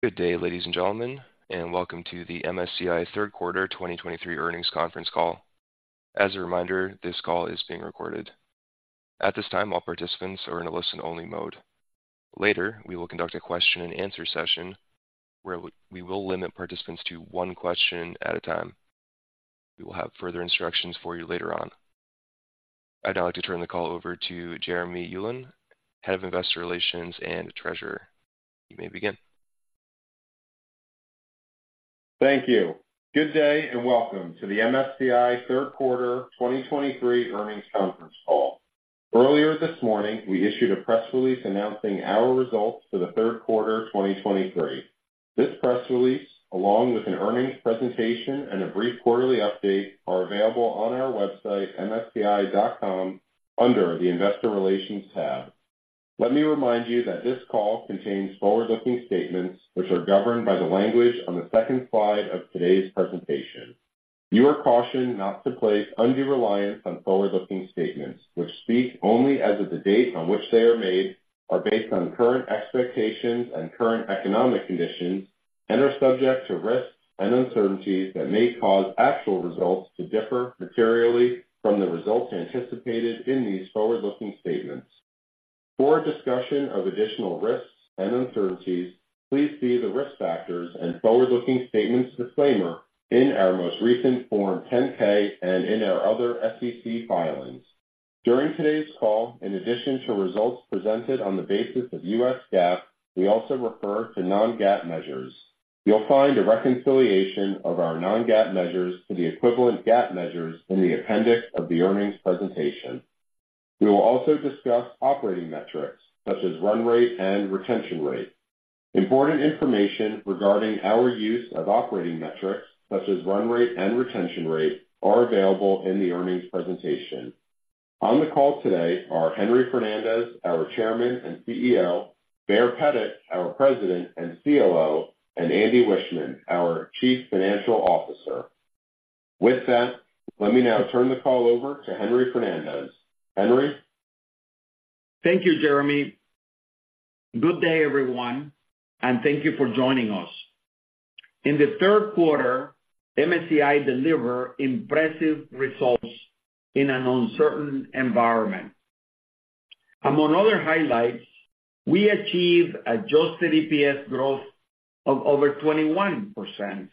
Good day, ladies and gentlemen, and welcome to the MSCI Third Quarter 2023 Earnings Conference Call. As a reminder, this call is being recorded. At this time, all participants are in a listen-only mode. Later, we will conduct a question-and-answer session where we will limit participants to one question at a time. We will have further instructions for you later on. I'd now like to turn the call over to Jeremy Ulan, Head of Investor Relations and Treasurer. You may begin. Thank you. Good day, and welcome to the MSCI Third Quarter 2023 Earnings Conference Call. Earlier this morning, we issued a press release announcing our results for the third quarter 2023. This press release, along with an earnings presentation and a brief quarterly update, are available on our website, msci.com, under the Investor Relations tab. Let me remind you that this call contains forward-looking statements, which are governed by the language on the second slide of today's presentation. You are cautioned not to place undue reliance on forward-looking statements, which speak only as of the date on which they are made, are based on current expectations and current economic conditions, and are subject to risks and uncertainties that may cause actual results to differ materially from the results anticipated in these forward-looking statements. For a discussion of additional risks and uncertainties, please see the Risk Factors and Forward-Looking Statements disclaimer in our most recent Form 10-K and in our other SEC filings. During today's call, in addition to results presented on the basis of U.S. GAAP, we also refer to non-GAAP measures. You'll find a reconciliation of our non-GAAP measures to the equivalent GAAP measures in the appendix of the earnings presentation. We will also discuss operating metrics such as Run Rate and Retention Rate. Important information regarding our use of operating metrics, such as Run Rate and Retention Rate, are available in the earnings presentation. On the call today are Henry Fernandez, our Chairman and CEO, Baer Pettit, our President and COO, and Andy Wiechmann, our Chief Financial Officer. With that, let me now turn the call over to Henry Fernandez. Henry? Thank you, Jeremy. Good day, everyone, and thank you for joining us. In the third quarter, MSCI delivered impressive results in an uncertain environment. Among other highlights, we achieved adjusted EPS growth of over 21%,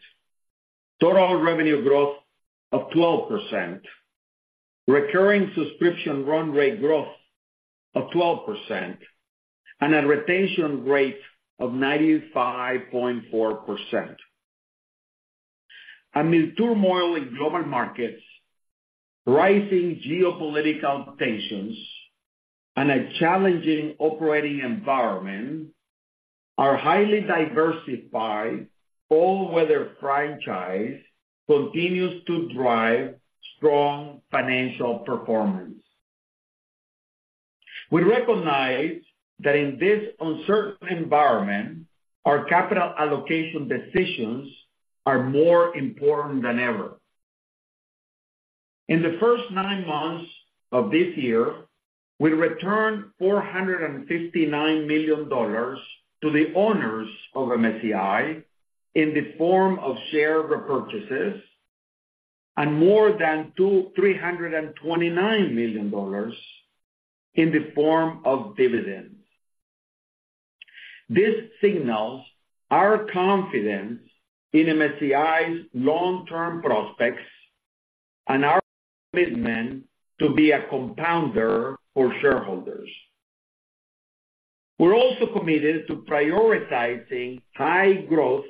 total revenue growth subscription Run Rate growth of 12%, and a Retention Rate of 95.4%. Amid turmoil in global markets, rising geopolitical tensions, and a challenging operating environment, our highly diversified all-weather franchise continues to drive strong financial performance. We recognize that in this uncertain environment, our capital allocation decisions are more important than ever. In the first nine months of this year, we returned $459 million to the owners of MSCI in the form of share repurchases and more than $329 million in the form of dividends. This signals our confidence in MSCI's long-term prospects and our commitment to be a compounder for shareholders. We're also committed to prioritizing high growth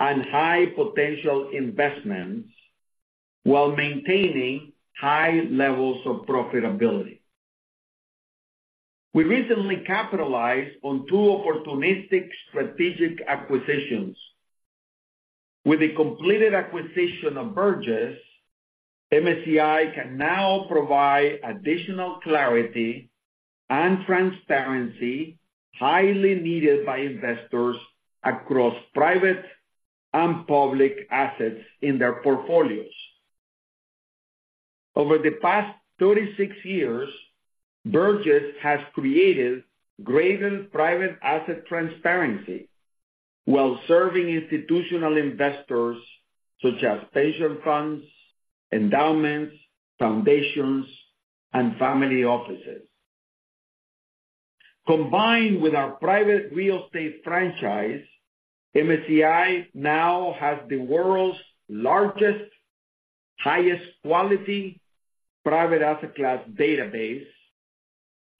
and high potential investments while maintaining high levels of profitability. We recently capitalized on two opportunistic strategic acquisitions. With the completed acquisition of Burgiss, MSCI can now provide additional clarity and transparency, highly needed by investors across private and public assets in their portfolios. Over the past 36 years, Burgiss has created greater private asset transparency while serving institutional investors such as pension funds, endowments, foundations, and family offices. Combined with our private real estate franchise, MSCI now has the world's largest, highest quality private asset class database,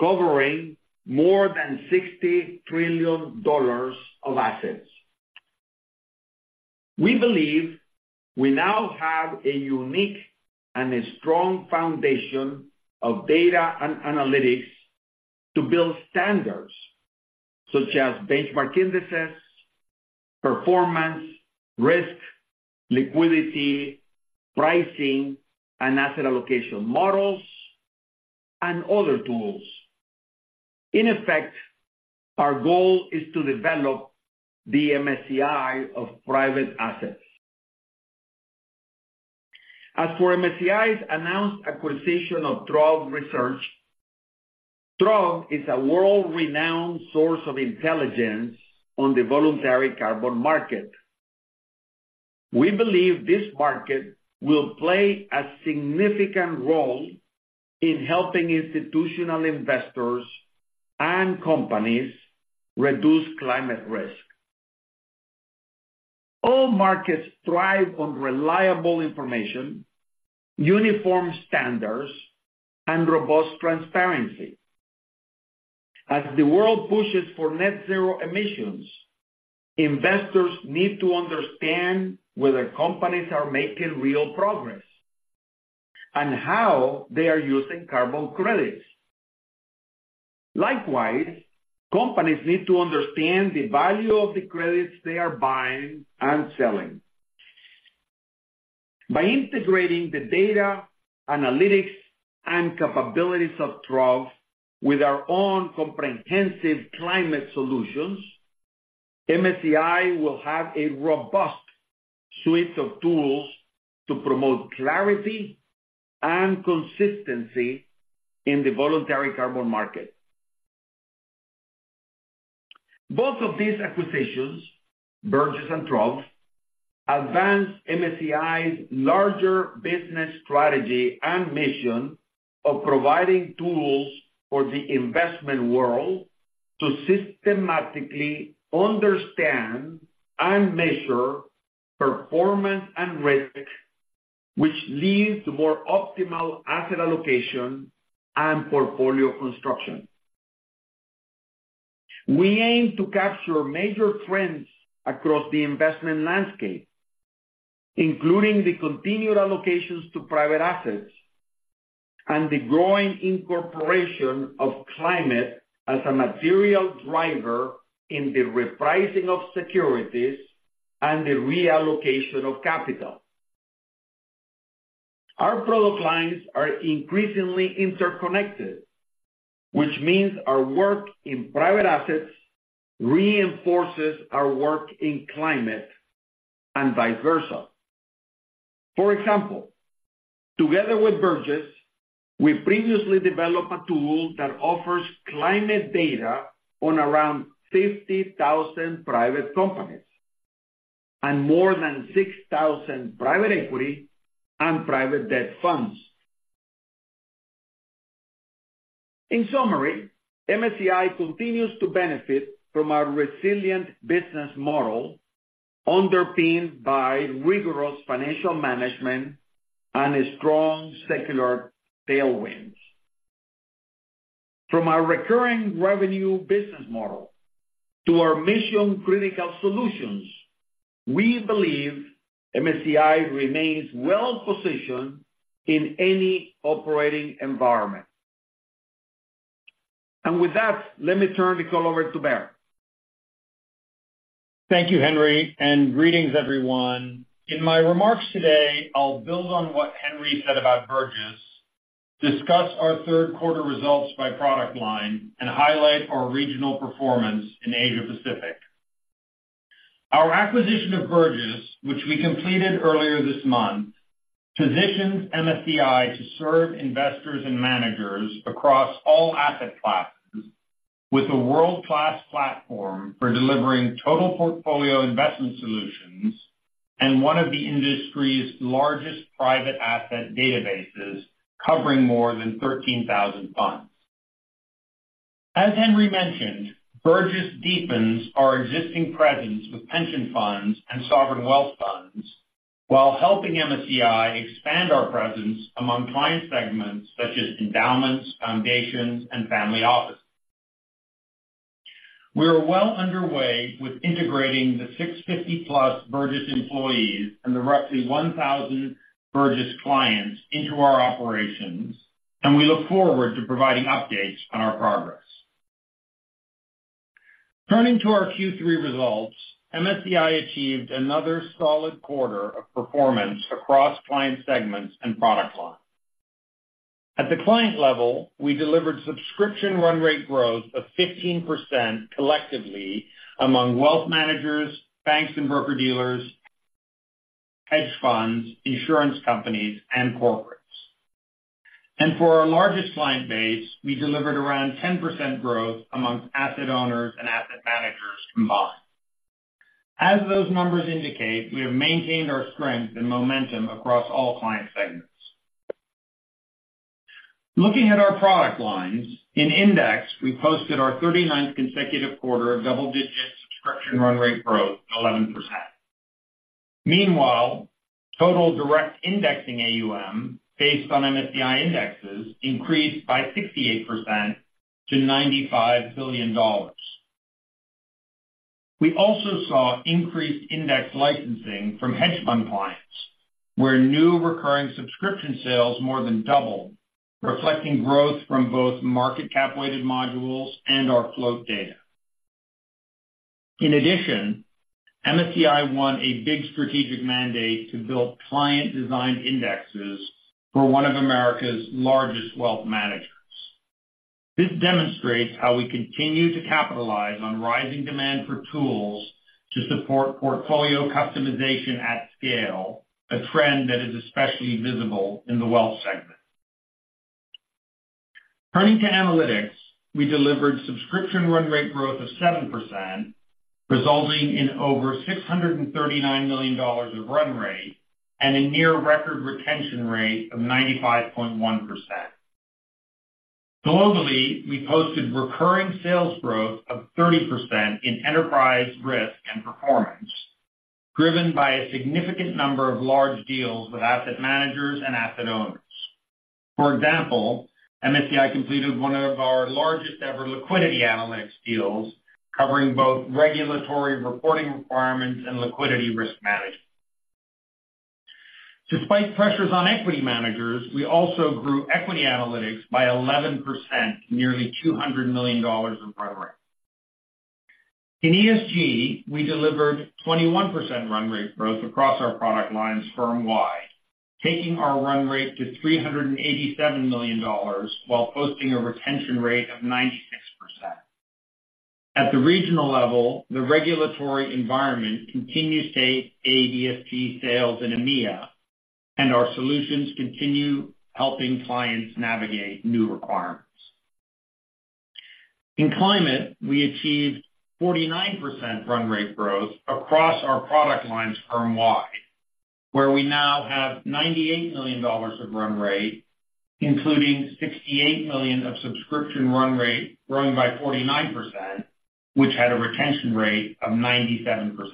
covering more than $60 trillion of assets. We believe we now have a unique and a strong foundation of data and Analytics to build standards such as benchmark indices, performance, risk, liquidity, pricing, and asset allocation models, and other tools. In effect, our goal is to develop the MSCI of Private Assets.... As for MSCI's announced acquisition of Trove Research, Trove is a world-renowned source of intelligence on the voluntary carbon market. We believe this market will play a significant role in helping institutional investors and companies reduce climate risk. All markets thrive on reliable information, uniform standards, and robust transparency. As the world pushes for net zero emissions, investors need to understand whether companies are making real progress, and how they are using carbon credits. Likewise, companies need to understand the value of the credits they are buying and selling. By integrating the data, analytics, and capabilities of Trove with our own comprehensive Climate Solutions, MSCI will have a robust suite of tools to promote clarity and consistency in the voluntary carbon market. Both of these acquisitions, Burgiss and Trove, advance MSCI's larger business strategy and mission of providing tools for the investment world to systematically understand and measure performance and risk, which leads to more optimal asset allocation and portfolio construction. We aim to capture major trends across the investment landscape, including the continued allocations to private assets and the growing incorporation of climate as a material driver in the repricing of securities and the reallocation of capital. Our product lines are increasingly interconnected, which means our work in private assets reinforces our work in Climate and vice versa. For example, together with Burgiss, we previously developed a tool that offers climate data on around 50,000 private companies, and more than 6,000 private equity and private debt funds. In summary, MSCI continues to benefit from our resilient business model, underpinned by rigorous financial management and a strong secular tailwind. From our recurring revenue business model to our mission-critical solutions, we believe MSCI remains well positioned in any operating environment. With that, let me turn the call over to Baer. Thank you, Henry, and greetings, everyone. In my remarks today, I'll build on what Henry said about Burgiss, discuss our third quarter results by product line, and highlight our regional performance in Asia Pacific. Our acquisition of Burgiss, which we completed earlier this month, positions MSCI to serve investors and managers across all asset classes with a world-class platform for delivering total portfolio investment solutions and one of the industry's largest private asset databases, covering more than 13,000 funds. As Henry mentioned, Burgiss deepens our existing presence with pension funds and sovereign wealth funds, while helping MSCI expand our presence among client segments such as endowments, foundations, and family offices. We are well underway with integrating the 650+ Burgiss employees and the roughly 1,000 Burgiss clients into our operations, and we look forward to providing updates on our progress. Turning to our Q3 results, MSCI achieved another solid quarter of performance across client segments and product lines. At the client level, we delivered subscription Run Rate growth of 15% collectively among wealth managers, banks and broker-dealers, hedge funds, insurance companies, and corporates. For our largest client base, we delivered around 10% growth among asset owners and asset managers combined. As those numbers indicate, we have maintained our strength and momentum across all client segments. Looking at our product lines, in index, we posted our 39th consecutive subscription Run Rate growth, 11%. Meanwhile, total direct indexing AUM, based on MSCI Indexes, increased by 68% to $95 billion. We also saw increased index licensing from hedge fund clients, where new recurring subscription sales more than doubled, reflecting growth from both market-cap weighted modules and our float data. In addition, MSCI won a big strategic mandate to build client-designed indexes for one of America's largest wealth managers.... This demonstrates how we continue to capitalize on rising demand for tools to support portfolio customization at scale, a trend that is especially visible in the wealth segment. Turning to Analytics, we delivered subscription Run Rate growth of 7%, resulting in over $639 million of Run Rate and a near record Retention Rate of 95.1%. Globally, we posted recurring sales growth of 30% in enterprise, risk, and performance, driven by a significant number of large deals with asset managers and asset owners. For example, MSCI completed one of our largest ever liquidity analytics deals, covering both regulatory reporting requirements and liquidity risk management. Despite pressures on equity managers, we also grew Equity Analytics by 11%, nearly $200 million in Run Rate. In ESG, we delivered 21% Run Rate growth across our product lines firm-wide, taking our Run Rate to $387 million, while posting a Retention Rate of 96%. At the regional level, the regulatory environment continues to aid ESG sales in EMEA, and our solutions continue helping clients navigate new requirements. In Climate, we achieved 49% Run Rate growth across our product lines firm-wide, where we now have $98 million of Run Rate, including subscription Run Rate, growing by 49%, which had a Retention Rate of 97%.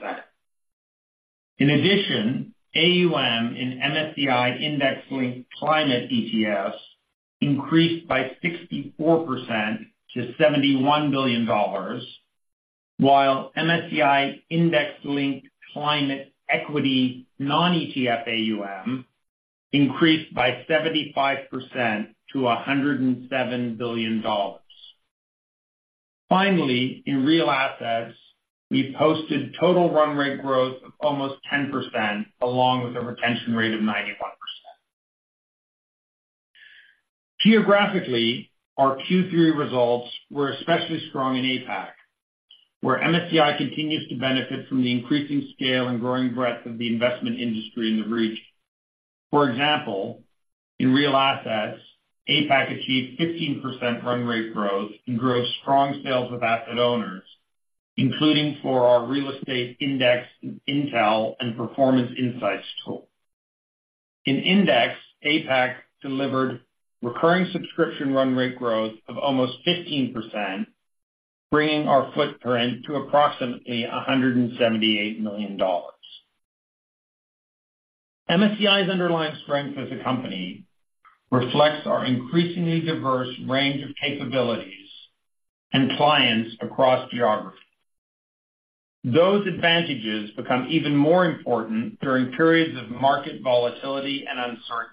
In addition, AUM in MSCI index-linked climate ETFs increased by 64% to $71 billion, while MSCI index-linked climate equity non-ETF AUM increased by 75% to $107 billion. Finally, in Real Assets, we posted total Run Rate growth of almost 10%, along with a Retention Rate of 91%. Geographically, our Q3 results were especially strong in APAC, where MSCI continues to benefit from the increasing scale and growing breadth of the investment industry in the region. For example, in Real Assets, APAC achieved 15% Run Rate growth and grew strong sales with asset owners, including for our Real Estate Index, Intel and Performance Insights tool. In Index, subscription Run Rate growth of almost 15%, bringing our footprint to approximately $178 million. MSCI's underlying strength as a company reflects our increasingly diverse range of capabilities and clients across geographies. Those advantages become even more important during periods of market volatility and uncertainty.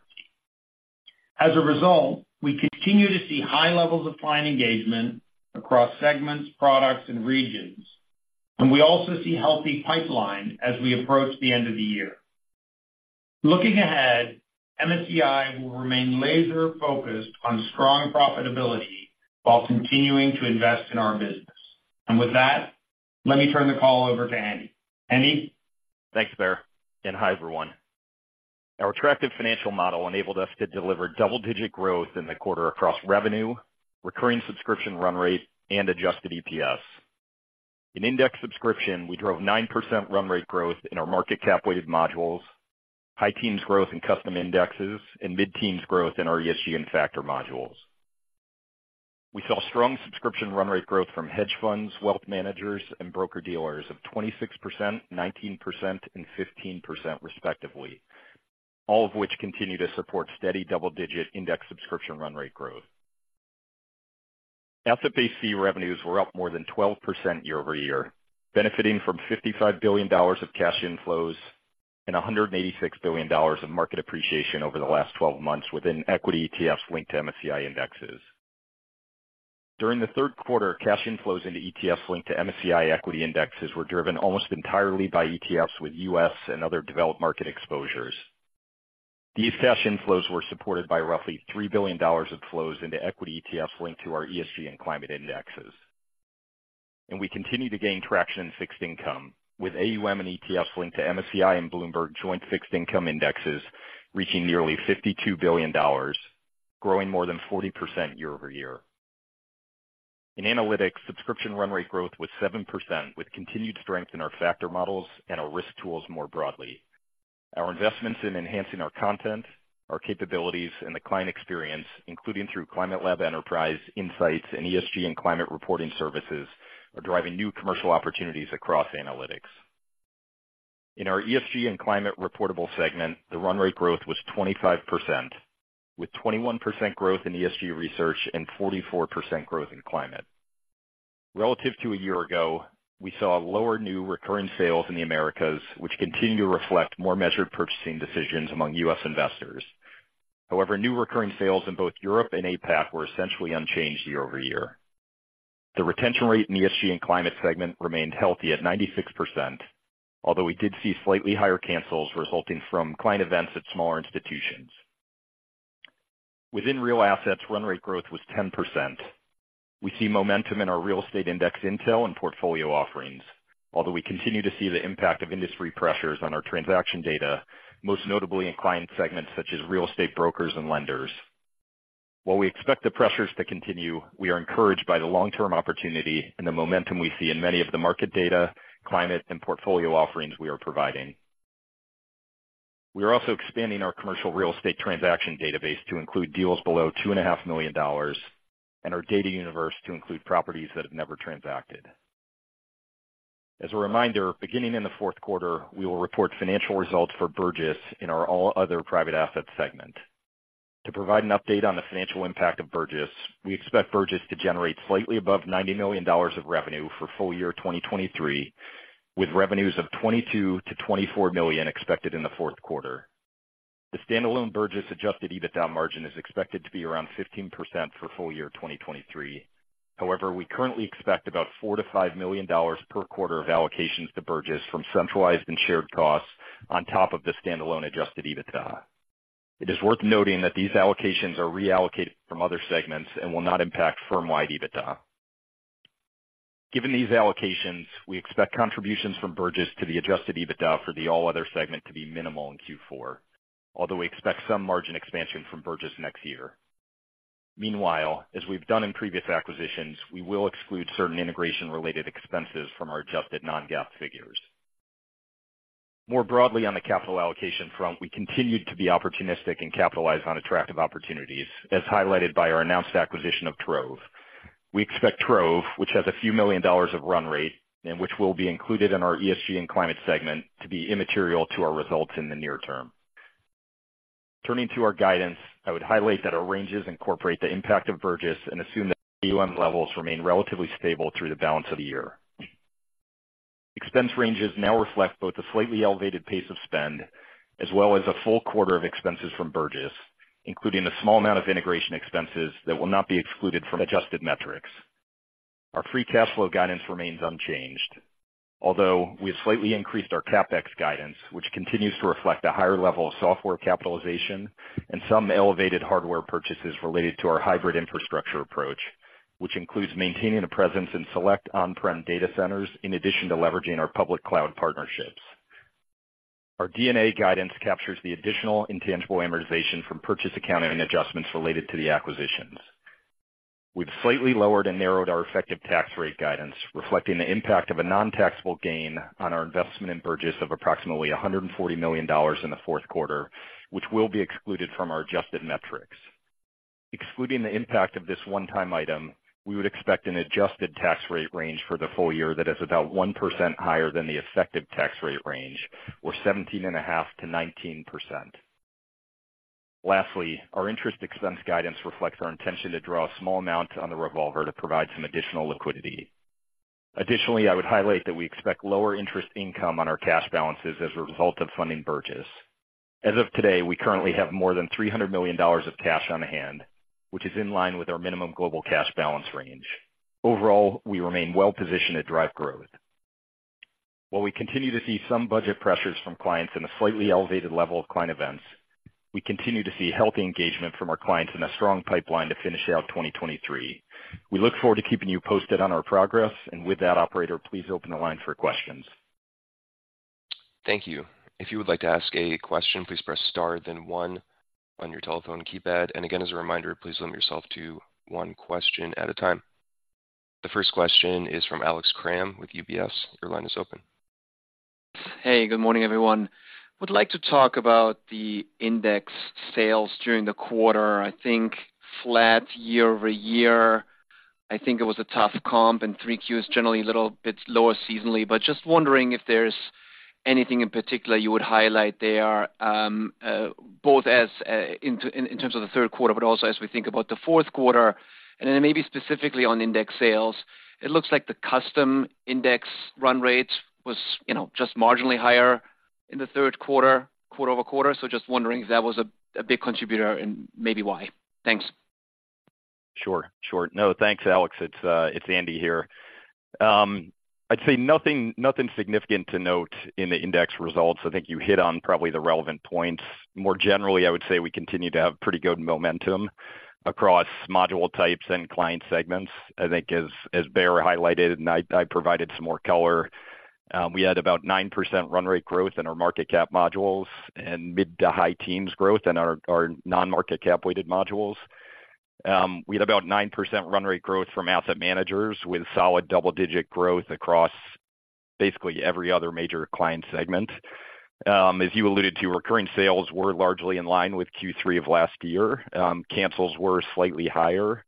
As a result, we continue to see high levels of client engagement across segments, products, and regions, and we also see healthy pipeline as we approach the end of the year. Looking ahead, MSCI will remain laser-focused on strong profitability while continuing to invest in our business. And with that, let me turn the call over to Andy. Andy? Thanks, Baer, and hi, everyone. Our attractive financial model enabled us to deliver double-digit growth in the quarter across revenue, subscription Run Rate, and adjusted EPS. In Index subscription, we drove 9% Run Rate growth in our market cap weighted modules, high teens growth in Custom Indexes, and mid-teens growth in our ESG and Factor Modules. subscription Run Rate growth from hedge funds, wealth managers, and broker-dealers of 26%, 19%, and 15% respectively, all of which continue to support subscription Run Rate growth. Asset-based fee revenues were up more than 12% year-over-year, benefiting from $55 billion of cash inflows and $186 billion of market appreciation over the last 12 months within equity ETFs linked to MSCI Indexes. During the third quarter, cash inflows into ETFs linked to MSCI equity indexes were driven almost entirely by ETFs with U.S. and other developed market exposures. These cash inflows were supported by roughly $3 billion of flows into equity ETFs linked to our ESG and Climate indexes. We continue to gain traction in fixed income, with AUM in ETFs linked to MSCI and Bloomberg joint fixed income indexes reaching nearly $52 billion, growing more than 40% subscription Run Rate growth was 7%, with continued strength in our factor models and our risk tools more broadly. Our investments in enhancing our content, our capabilities, and the client experience, including through Climate Lab Enterprise, Insights, and ESG and Climate Reporting Services, are driving new commercial opportunities across Analytics. In our ESG and Climate reportable segment, the Run Rate growth was 25%, with 21% growth in ESG research and 44% growth in Climate. Relative to a year ago, we saw lower new recurring sales in the Americas, which continue to reflect more measured purchasing decisions among U.S. investors. However, new recurring sales in both Europe and APAC were essentially unchanged year-over-year. The Retention Rate in the ESG and Climate segment remained healthy at 96%, although we did see slightly higher cancels resulting from client events at smaller institutions. Within Real Assets, Run Rate growth was 10%. We see momentum in our Real Estate Index Intel and portfolio offerings, although we continue to see the impact of industry pressures on our transaction data, most notably in client segments such as real estate brokers and lenders. While we expect the pressures to continue, we are encouraged by the long-term opportunity and the momentum we see in many of the market data, Climate, and portfolio offerings we are providing. We are also expanding our commercial real estate transaction database to include deals below $2.5 million, and our data universe to include properties that have never transacted. As a reminder, beginning in the fourth quarter, we will report financial results for Burgiss in our All Other – Private Assets segment. To provide an update on the financial impact of Burgiss, we expect Burgiss to generate slightly above $90 million of revenue for full year 2023, with revenues of $22 million-$24 million expected in the fourth quarter. The standalone Burgiss adjusted EBITDA margin is expected to be around 15% for full year 2023. However, we currently expect about $4 million-$5 million per quarter of allocations to Burgiss from centralized and shared costs on top of the standalone adjusted EBITDA. It is worth noting that these allocations are reallocated from other segments and will not impact firm-wide EBITDA. Given these allocations, we expect contributions from Burgiss to the adjusted EBITDA for the All Other segment to be minimal in Q4, although we expect some margin expansion from Burgiss next year. Meanwhile, as we've done in previous acquisitions, we will exclude certain integration-related expenses from our adjusted non-GAAP figures. More broadly, on the capital allocation front, we continued to be opportunistic and capitalize on attractive opportunities, as highlighted by our announced acquisition of Trove. We expect Trove, which has a few million dollars of Run Rate and which will be included in our ESG and Climate segment, to be immaterial to our results in the near term. Turning to our guidance, I would highlight that our ranges incorporate the impact of Burgiss and assume that AUM levels remain relatively stable through the balance of the year. Expense ranges now reflect both a slightly elevated pace of spend as well as a full quarter of expenses from Burgiss, including a small amount of integration expenses that will not be excluded from adjusted metrics. Our free cash flow guidance remains unchanged, although we have slightly increased our CapEx guidance, which continues to reflect a higher level of software capitalization and some elevated hardware purchases related to our hybrid infrastructure approach, which includes maintaining a presence in select on-prem data centers in addition to leveraging our public cloud partnerships. Our D&A guidance captures the additional intangible amortization from purchase accounting adjustments related to the acquisitions. We've slightly lowered and narrowed our effective tax rate guidance, reflecting the impact of a non-taxable gain on our investment in Burgiss of approximately $140 million in the fourth quarter, which will be excluded from our adjusted metrics. Excluding the impact of this one-time item, we would expect an adjusted tax rate range for the full year that is about 1% higher than the effective tax rate range, or 17.5%-19%. Lastly, our interest expense guidance reflects our intention to draw a small amount on the revolver to provide some additional liquidity. Additionally, I would highlight that we expect lower interest income on our cash balances as a result of funding Burgiss. As of today, we currently have more than $300 million of cash on hand, which is in line with our minimum global cash balance range. Overall, we remain well positioned to drive growth. While we continue to see some budget pressures from clients and a slightly elevated level of client events, we continue to see healthy engagement from our clients and a strong pipeline to finish out 2023. We look forward to keeping you posted on our progress. And with that, Operator, please open the line for questions. Thank you. If you would like to ask a question, please press star, then one on your telephone keypad. And again, as a reminder, please limit yourself to one question at a time. The first question is from Alex Kramm with UBS. Your line is open. Hey, good morning, everyone. Would like to talk about the Index sales during the quarter. I think flat year-over-year, I think it was a tough comp, and 3Q is generally a little bit lower seasonally. But just wondering if there's anything in particular you would highlight there, both in terms of the third quarter, but also as we think about the fourth quarter, and then maybe specifically on Index sales. It looks like the custom Index Run Rate was, you know, just marginally higher in the third quarter, quarter-over-quarter. So just wondering if that was a big contributor and maybe why? Thanks. Sure, sure. No, thanks, Alex. It's Andy here. I'd say nothing, nothing significant to note in the Index results. I think you hit on probably the relevant points. More generally, I would say we continue to have pretty good momentum across module types and client segments. I think as, as Baer highlighted, and I provided some more color, we had about 9% Run Rate growth in our market cap modules and mid- to high-teens growth in our non-market cap weighted modules. We had about 9% Run Rate growth from asset managers with solid double-digit growth across basically every other major client segment. As you alluded to, recurring sales were largely in line with Q3 of last year. Cancels were slightly higher,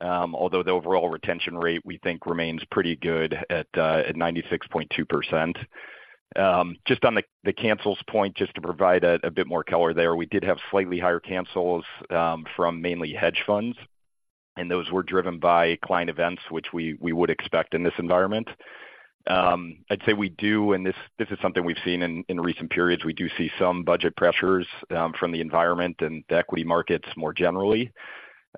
although the overall Retention Rate, we think, remains pretty good at 96.2%. Just on the cancels point, just to provide a bit more color there, we did have slightly higher cancels from mainly hedge funds, and those were driven by client events, which we would expect in this environment. I'd say we do, and this is something we've seen in recent periods. We do see some budget pressures from the environment and the equity markets more generally.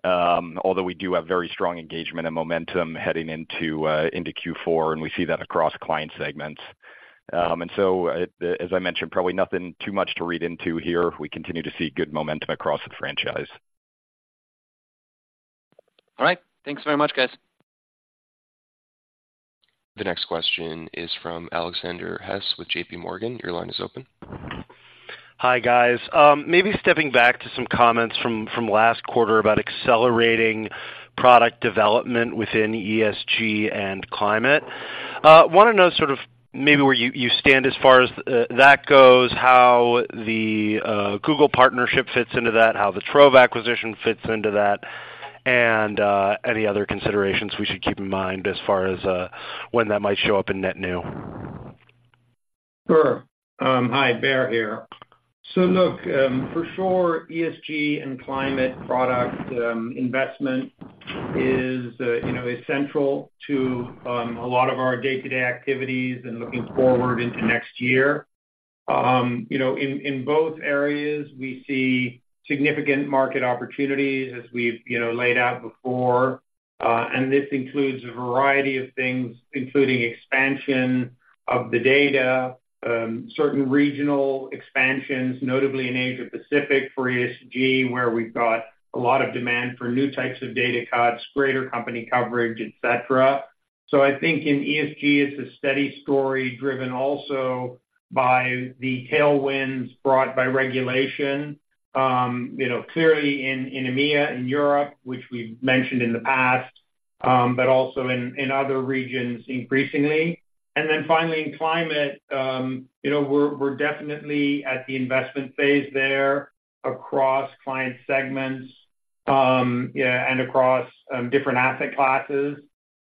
Although we do have very strong engagement and momentum heading into Q4, and we see that across client segments. And so, as I mentioned, probably nothing too much to read into here. We continue to see good momentum across the franchise. All right. Thanks very much, guys. The next question is from Alexander Hess with JPMorgan. Your line is open. Hi, guys. Maybe stepping back to some comments from last quarter about accelerating product development within ESG and Climate. Wanna know sort of maybe where you stand as far as that goes, how the Google partnership fits into that, how the Trove acquisition fits into that, and any other considerations we should keep in mind as far as when that might show up in net new? Sure. Hi, Baer here. So look, for sure, ESG and Climate product investment is, you know, essential to a lot of our day-to-day activities and looking forward into next year. You know, in both areas, we see significant market opportunities as we've, you know, laid out before, and this includes a variety of things, including expansion of the data, certain regional expansions, notably in Asia-Pacific for ESG, where we've got a lot of demand for new types of data cuts, greater company coverage, et cetera. So I think in ESG, it's a steady story, driven also by the tailwinds brought by regulation, you know, clearly in EMEA, in Europe, which we've mentioned in the past, but also in other regions, increasingly. And then finally, in Climate, you know, we're, we're definitely at the investment phase there across client segments, yeah, and across different asset classes.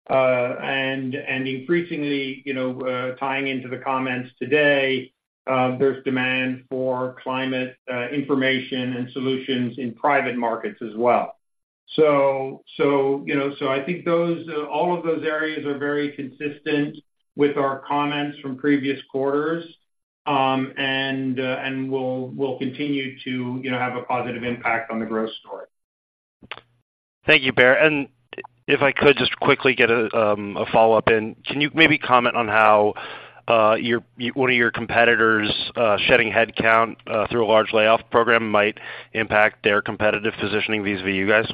And increasingly, you know, tying into the comments today, there's demand for Climate information and solutions in private markets as well. So, you know, so I think those, all of those areas are very consistent with our comments from previous quarters, and, and will, will continue to, you know, have a positive impact on the growth story. Thank you, Baer. If I could just quickly get a follow-up in. Can you maybe comment on how your one of your competitors shedding headcount through a large layoff program might impact their competitive positioning vis-à-vis you guys?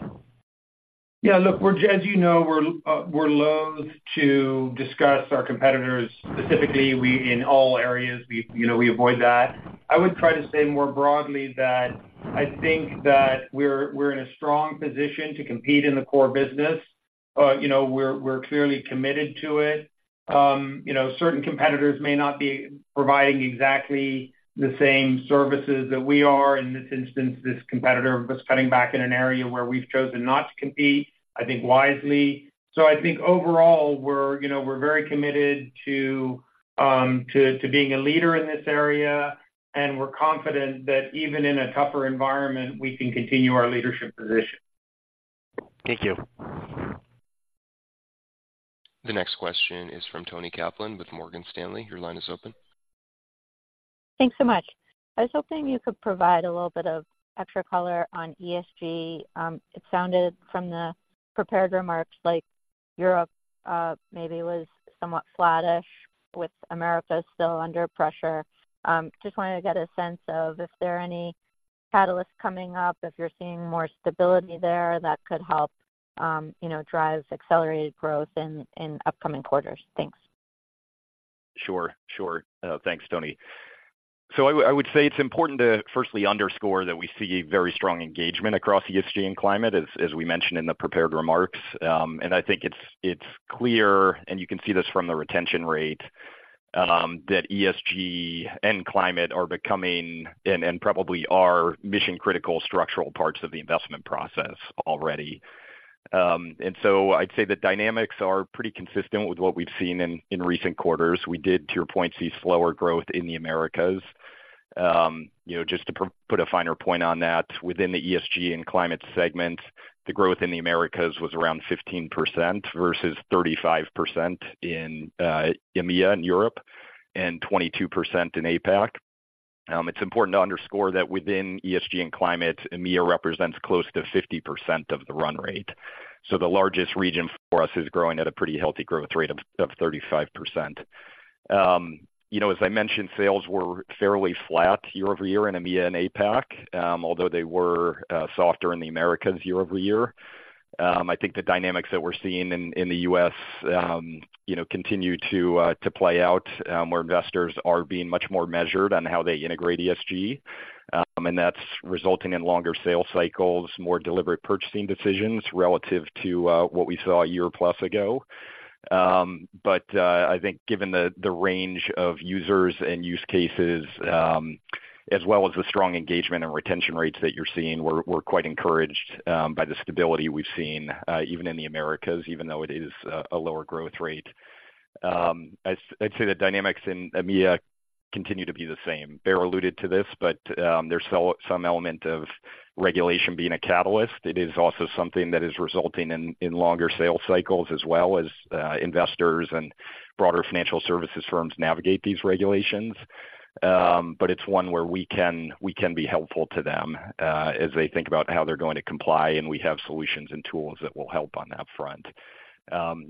Yeah, look, as you know, we're loathe to discuss our competitors specifically. We in all areas, you know, we avoid that. I would try to say more broadly that I think that we're in a strong position to compete in the core business. You know, we're clearly committed to it. You know, certain competitors may not be providing exactly the same services that we are. In this instance, this competitor was cutting back in an area where we've chosen not to compete, I think wisely. So I think overall, you know, we're very committed to being a leader in this area, and we're confident that even in a tougher environment, we can continue our leadership position. Thank you. The next question is from Toni Kaplan with Morgan Stanley. Your line is open. Thanks so much. I was hoping you could provide a little bit of extra color on ESG. It sounded from the prepared remarks like Europe maybe was somewhat flattish, with Americas still under pressure. Just wanted to get a sense of if there are any catalysts coming up, if you're seeing more stability there that could help, you know, drive accelerated growth in upcoming quarters. Thanks. Sure, sure. Thanks, Toni. So I would say it's important to firstly underscore that we see very strong engagement across ESG and Climate, as we mentioned in the prepared remarks. And I think it's clear, and you can see this from the Retention Rate, that ESG and Climate are becoming and probably are mission-critical structural parts of the investment process already. And so I'd say the dynamics are pretty consistent with what we've seen in recent quarters. We did, to your point, see slower growth in the Americas. You know, just to put a finer point on that, within the ESG and Climate segment, the growth in the Americas was around 15% versus 35% in EMEA and Europe, and 22% in APAC. It's important to underscore that within ESG and Climate, EMEA represents close to 50% of the Run Rate. So the largest region for us is growing at a pretty healthy growth rate of 35%. You know, as I mentioned, sales were fairly flat year-over-year in EMEA and APAC, although they were softer in the Americas year-over-year. I think the dynamics that we're seeing in the U.S., you know, continue to play out, where investors are being much more measured on how they integrate ESG, and that's resulting in longer sales cycles, more deliberate purchasing decisions relative to what we saw a year-plus ago. But I think given the range of users and use cases, as well as the strong engagement and Retention Rates that you're seeing, we're quite encouraged by the stability we've seen, even in the Americas, even though it is a lower growth rate. I'd say the dynamics in EMEA... continue to be the same. Baer alluded to this, but there's some element of regulation being a catalyst. It is also something that is resulting in longer sales cycles, as well as, investors and broader financial services firms navigate these regulations. But it's one where we can be helpful to them as they think about how they're going to comply, and we have solutions and tools that will help on that front.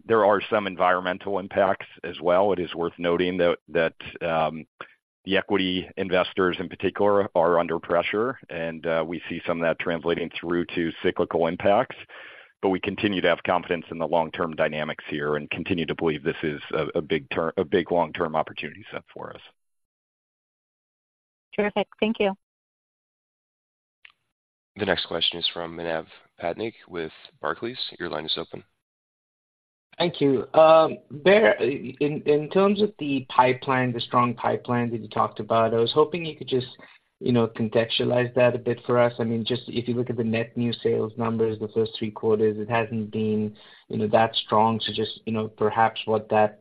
There are some environmental impacts as well. It is worth noting that the equity investors, in particular, are under pressure, and we see some of that translating through to cyclical impacts. But we continue to have confidence in the long-term dynamics here and continue to believe this is a big long-term opportunity set for us. Terrific. Thank you. The next question is from Manav Patnaik with Barclays. Your line is open. Thank you. Baer, in terms of the pipeline, the strong pipeline that you talked about, I was hoping you could just, you know, contextualize that a bit for us. I mean, just if you look at the net new sales numbers, the first three quarters, it hasn't been, you know, that strong. So just, you know, perhaps what that,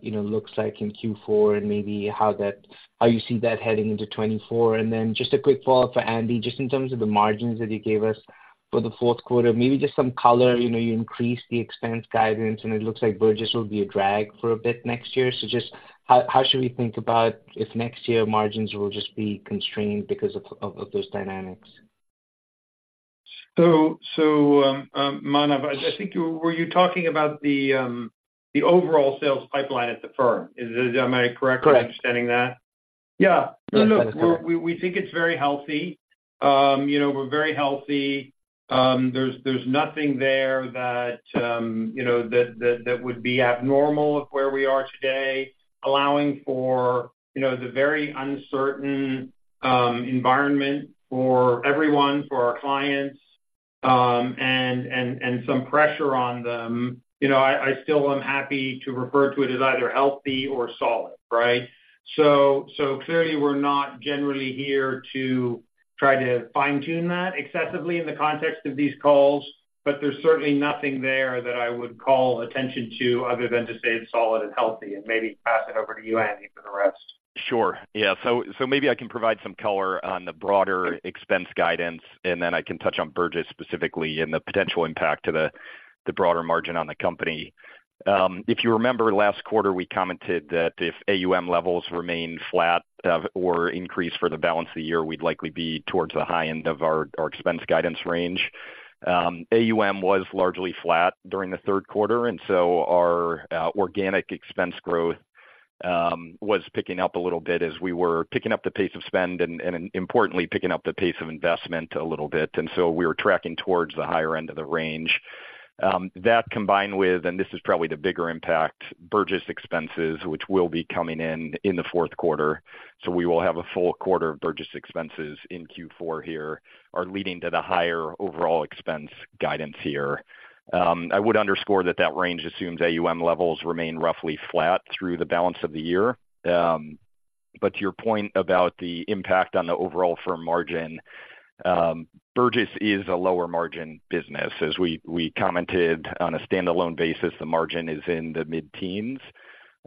you know, looks like in Q4 and maybe how that, how you see that heading into 2024. And then just a quick follow-up for Andy, just in terms of the margins that you gave us for the fourth quarter, maybe just some color. You know, you increased the expense guidance, and it looks like Burgiss will be a drag for a bit next year. So just how, how should we think about if next year margins will just be constrained because of, of, of those dynamics? So, Manav, I think you were talking about the overall sales pipeline at the firm? Am I correct? Correct. in understanding that? Yeah. Yeah. Look, we think it's very healthy. You know, we're very healthy. You know, there's nothing there that you know, that would be abnormal of where we are today, allowing for, you know, the very uncertain environment for everyone, for our clients, and some pressure on them. You know, I still am happy to refer to it as either healthy or solid, right? So clearly, we're not generally here to try to fine-tune that excessively in the context of these calls, but there's certainly nothing there that I would call attention to other than to say it's solid and healthy, and maybe pass it over to you, Andy, for the rest. Sure. Yeah, so maybe I can provide some color on the broader expense guidance, and then I can touch on Burgiss specifically and the potential impact to the broader margin on the company. If you remember, last quarter, we commented that if AUM levels remained flat, or increased for the balance of the year, we'd likely be towards the high end of our expense guidance range. AUM was largely flat during the third quarter, and so our organic expense growth was picking up a little bit as we were picking up the pace of spend and importantly, picking up the pace of investment a little bit. And so we were tracking towards the higher end of the range. That combined with, and this is probably the bigger impact, Burgiss expenses, which will be coming in in the fourth quarter, so we will have a full quarter of Burgiss expenses in Q4 here, are leading to the higher overall expense guidance here. I would underscore that that range assumes AUM levels remain roughly flat through the balance of the year. But to your point about the impact on the overall firm margin, Burgiss is a lower-margin business. As we commented on a standalone basis, the margin is in the mid-teens,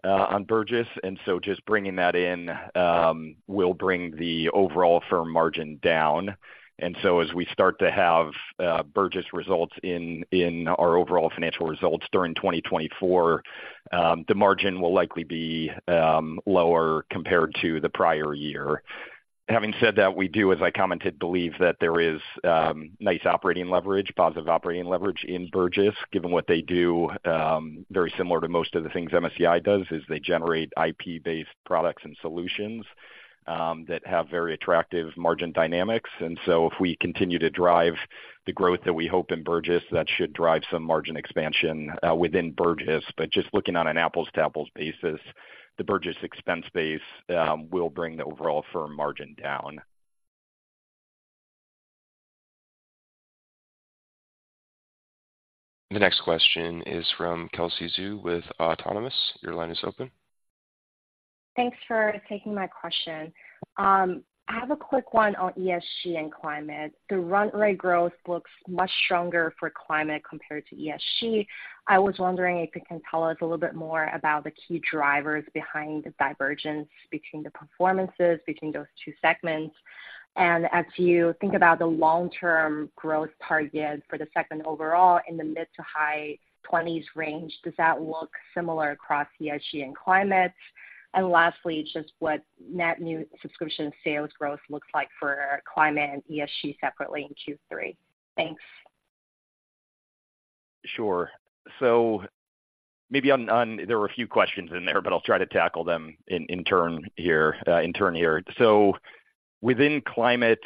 on Burgiss, and so just bringing that in, will bring the overall firm margin down. And so as we start to have, Burgiss results in our overall financial results during 2024, the margin will likely be lower compared to the prior year. Having said that, we do, as I commented, believe that there is nice operating leverage, positive operating leverage in Burgiss, given what they do, very similar to most of the things MSCI does, is they generate IP-based products and solutions that have very attractive margin dynamics. And so if we continue to drive the growth that we hope in Burgiss, that should drive some margin expansion within Burgiss. But just looking on an apples-to-apples basis, the Burgiss expense base will bring the overall firm margin down. The next question is from Kelsey Zhu with Autonomous. Your line is open. Thanks for taking my question. I have a quick one on ESG and Climate. The Run Rate growth looks much stronger for Climate compared to ESG. I was wondering if you can tell us a little bit more about the key drivers behind the divergence between the performances between those two segments. And as you think about the long-term growth target for the second overall in the mid- to high-20s range, does that look similar across ESG and Climate? And lastly, just what net new subscription sales growth looks like for Climate and ESG separately in Q3. Thanks. Sure. So maybe on. There were a few questions in there, but I'll try to tackle them in turn here. So within Climate,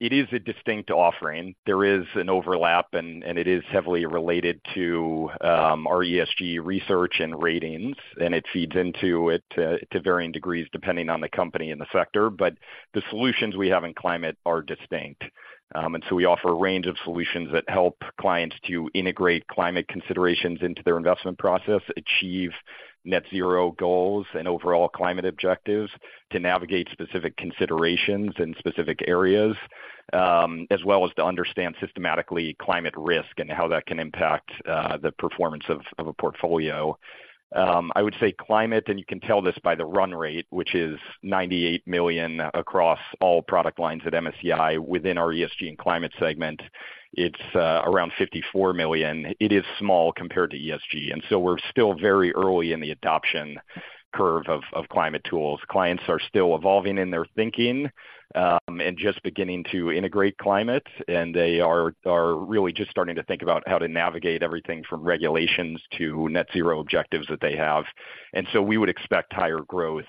it is a distinct offering. There is an overlap, and it is heavily related to our ESG research and ratings, and it feeds into it to varying degrees, depending on the company and the sector. But the solutions we have in Climate are distinct. And so we offer a range of solutions that help clients to integrate Climate considerations into their investment process, achieve Net Zero goals and overall Climate objectives, to navigate specific considerations in specific areas, as well as to understand systematically Climate risk and how that can impact the performance of a portfolio. I would say Climate, and you can tell this by the Run Rate, which is $98 million across all product lines at MSCI. Within our ESG and Climate segment, it's around $54 million. It is small compared to ESG, and so we're still very early in the adoption curve of climate tools. Clients are still evolving in their thinking, and just beginning to integrate Climate, and they are really just starting to think about how to navigate everything from regulations to net zero objectives that they have. And so we would expect higher growth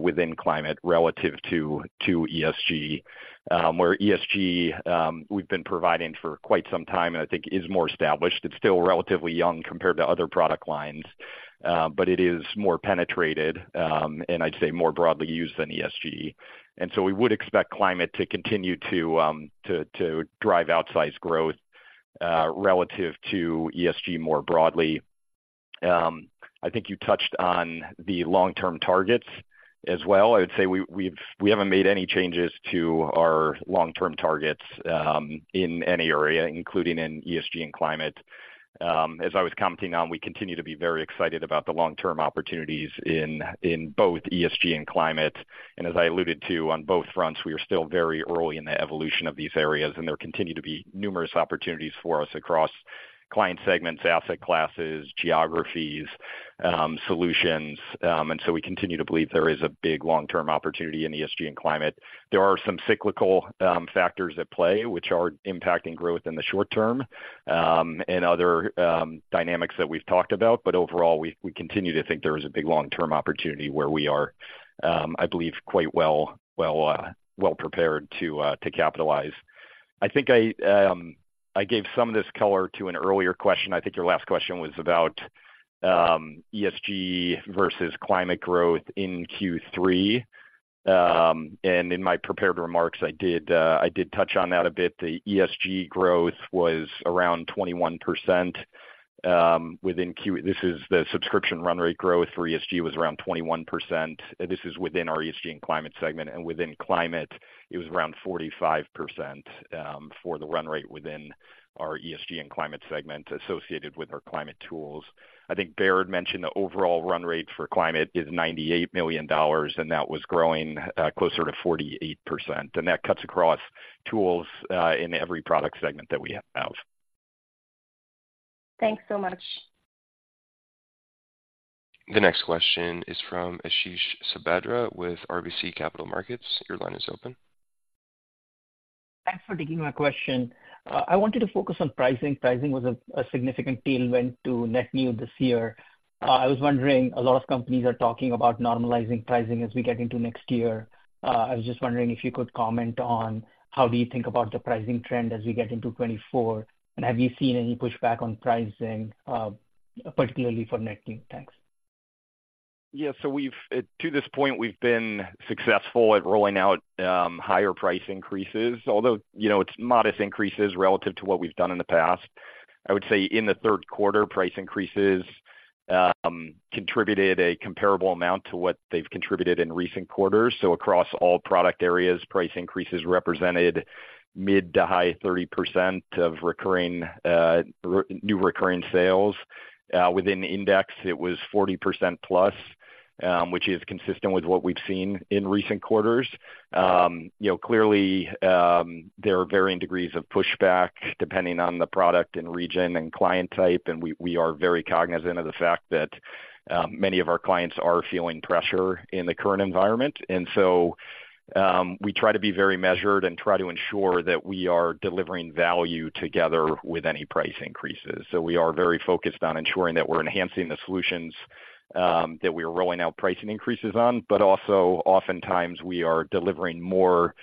within Climate relative to ESG, where ESG we've been providing for quite some time, and I think is more established. It's still relatively young compared to other product lines, but it is more penetrated, and I'd say more broadly used than ESG. We would expect Climate to continue to drive outsized growth relative to ESG more broadly. I think you touched on the long-term targets as well. I would say we haven't made any changes to our long-term targets in any area, including in ESG and Climate. As I was commenting on, we continue to be very excited about the long-term opportunities in both ESG and Climate. As I alluded to on both fronts, we are still very early in the evolution of these areas, and there continue to be numerous opportunities for us across client segments, asset classes, geographies, solutions. We continue to believe there is a big long-term opportunity in ESG and Climate. There are some cyclical factors at play, which are impacting growth in the short term, and other dynamics that we've talked about. But overall, we, we continue to think there is a big long-term opportunity where we are, I believe, quite well, well, well prepared to to capitalize. I think I, I gave some of this color to an earlier question. I think your last question was about ESG versus Climate growth in Q3. And in my prepared remarks, I did, I did touch on that a bit. The ESG growth was around 21%, within Q3. subscription Run Rate growth for ESG was around 21%. This is within our ESG and Climate segment, and within Climate, it was around 45%, for the Run Rate within our ESG and Climate segment associated with our Climate tools. I think Baer mentioned the overall Run Rate for Climate is $98 million, and that was growing, closer to 48%, and that cuts across tools, in every product segment that we have. Thanks so much. The next question is from Ashish Sabadra, with RBC Capital Markets. Your line is open. Thanks for taking my question. I wanted to focus on pricing. Pricing was a significant tailwind to net new this year. I was wondering, a lot of companies are talking about normalizing pricing as we get into next year. I was just wondering if you could comment on how you think about the pricing trend as we get into 2024, and have you seen any pushback on pricing, particularly for net new? Thanks. Yeah. So we've, to this point, we've been successful at rolling out higher price increases, although, you know, it's modest increases relative to what we've done in the past. I would say in the third quarter, price increases contributed a comparable amount to what they've contributed in recent quarters. So across all product areas, price increases represented mid- to high-30% of recurring renew recurring sales. Within index, it was 40%+, which is consistent with what we've seen in recent quarters. You know, clearly, there are varying degrees of pushback, depending on the product and region and client type, and we are very cognizant of the fact that many of our clients are feeling pressure in the current environment. And so, we try to be very measured and try to ensure that we are delivering value together with any price increases. So we are very focused on ensuring that we're enhancing the solutions, that we are rolling out pricing increases on, but also, oftentimes, we are delivering more,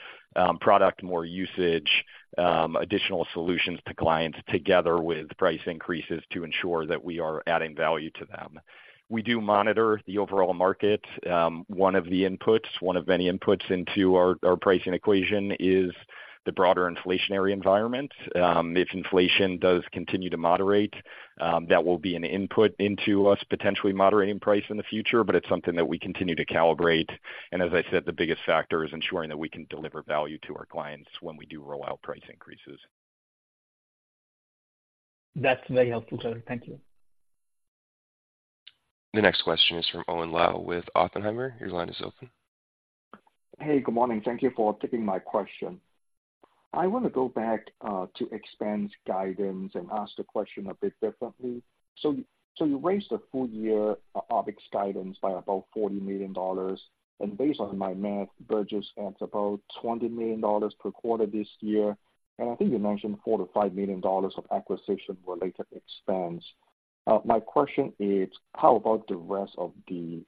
product, more usage, additional solutions to clients together with price increases to ensure that we are adding value to them. We do monitor the overall market. One of the inputs, one of many inputs into our, our pricing equation is the broader inflationary environment. If inflation does continue to moderate, that will be an input into us, potentially moderating price in the future, but it's something that we continue to calibrate. As I said, the biggest factor is ensuring that we can deliver value to our clients when we do roll out price increases. That's very helpful, sir. Thank you. The next question is from Owen Lau, with Oppenheimer. Your line is open. Hey, good morning. Thank you for taking my question. I want to go back to expense guidance and ask the question a bit differently. So you raised the full year OpEx guidance by about $40 million, and based on my math, Burgiss, that's about $20 million per quarter this year. And I think you mentioned $4 million-$5 million of acquisition-related expense. My question is: How about the rest of the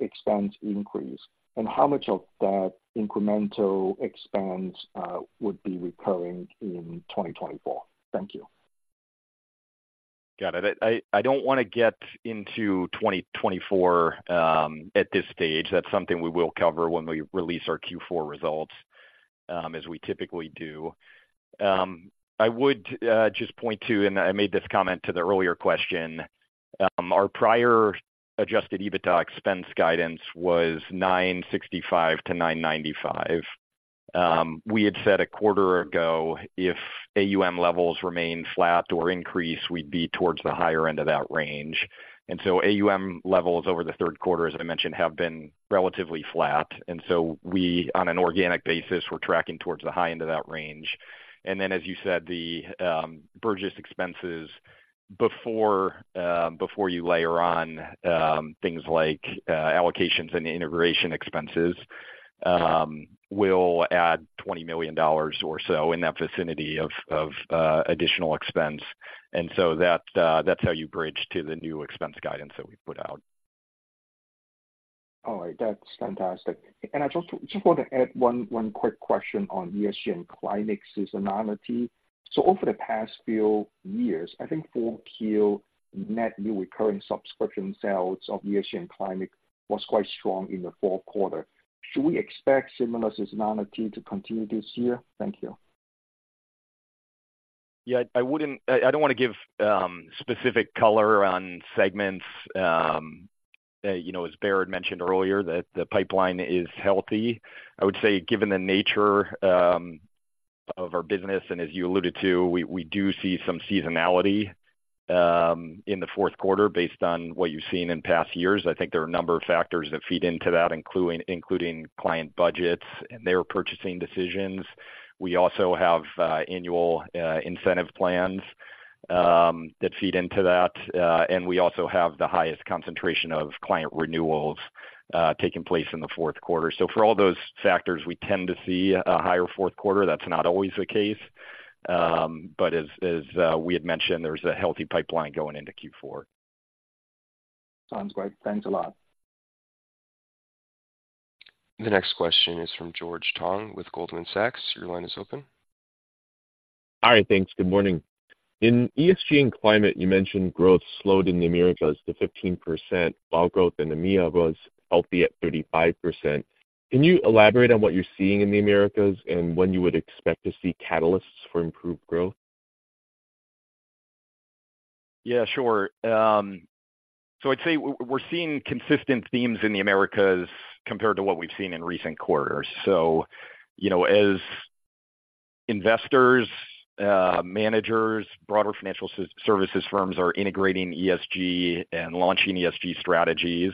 expense increase, and how much of that incremental expense would be recurring in 2024? Thank you. Got it. I don't wanna get into 2024, at this stage. That's something we will cover when we release our Q4 results, as we typically do. I would just point to, and I made this comment to the earlier question. Our prior adjusted EBITDA expense guidance was $965 million-$995 million. We had said a quarter ago, if AUM levels remain flat or increase, we'd be towards the higher end of that range. And so AUM levels over the third quarter, as I mentioned, have been relatively flat, and so we, on an organic basis, we're tracking towards the high end of that range. As you said, the Burgiss expenses before you layer on things like allocations and integration expenses will add $20 million or so in that vicinity of additional expense. So that's how you bridge to the new expense guidance that we put out. All right. That's fantastic. I just want to add one quick question on ESG and Climate seasonality. Over the past few years, I think 4Q net new recurring subscription sales of ESG and Climate was quite strong in the fourth quarter. Should we expect similar seasonality to continue this year? Thank you. Yeah, I wouldn't—I don't want to give specific color on segments. You know, as Baer mentioned earlier, that the pipeline is healthy. I would say, given the nature of our business, and as you alluded to, we do see some seasonality in the fourth quarter based on what you've seen in past years. I think there are a number of factors that feed into that, including client budgets and their purchasing decisions. We also have annual incentive plans that feed into that, and we also have the highest concentration of client renewals taking place in the fourth quarter. So for all those factors, we tend to see a higher fourth quarter. That's not always the case, but as we had mentioned, there's a healthy pipeline going into Q4. Sounds great. Thanks a lot. The next question is from George Tong with Goldman Sachs. Your line is open. Hi, thanks. Good morning. In ESG and Climate, you mentioned growth slowed in the Americas to 15%, while growth in EMEA was healthy at 35%. Can you elaborate on what you're seeing in the Americas, and when you would expect to see catalysts for improved growth? Yeah, sure. So I'd say we're seeing consistent themes in the Americas compared to what we've seen in recent quarters. So you know, as investors, managers, broader financial services firms are integrating ESG and launching ESG strategies,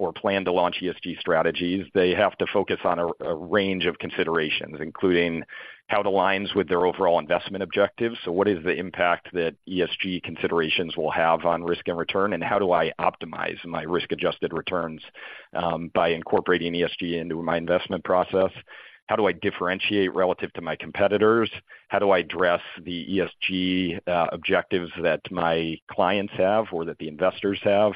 or plan to launch ESG strategies, they have to focus on a range of considerations, including how it aligns with their overall investment objectives. So what is the impact that ESG considerations will have on risk and return? And how do I optimize my risk-adjusted returns, by incorporating ESG into my investment process? How do I differentiate relative to my competitors? How do I address the ESG objectives that my clients have or that the investors have?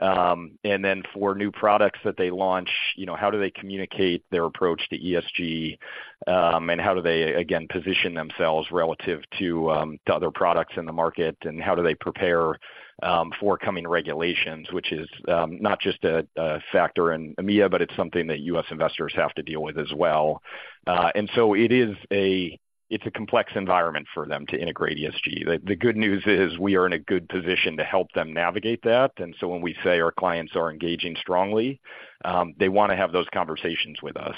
And then for new products that they launch, you know, how do they communicate their approach to ESG? And how do they, again, position themselves relative to other products in the market, and how do they prepare for coming regulations, which is not just a factor in EMEA, but it's something that U.S. investors have to deal with as well. And so it is a complex environment for them to integrate ESG. The good news is we are in a good position to help them navigate that, and so when we say our clients are engaging strongly, they want to have those conversations with us.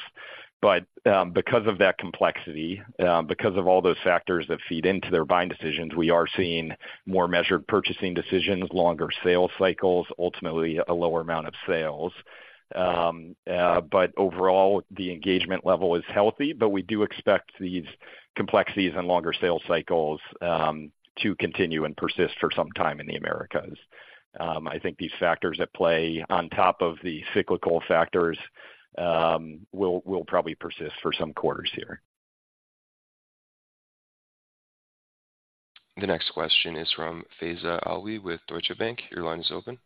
But because of that complexity, because of all those factors that feed into their buying decisions, we are seeing more measured purchasing decisions, longer sales cycles, ultimately a lower amount of sales. Overall, the engagement level is healthy, but we do expect these complexities and longer sales cycles to continue and persist for some time in the Americas. I think these factors at play, on top of the cyclical factors, will probably persist for some quarters here. The next question is from Faiza Alwy with Deutsche Bank. Your line is open.